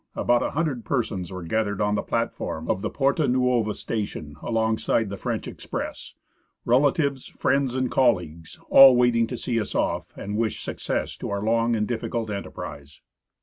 About a hundred persons were gathered on the plat form of the Porta Nuova station alongside the French express — relatives, friends, and colleagues — all waiting to see us off and wish success to our long and difficult enterprise.